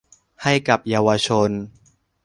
ให้กับเยาวชน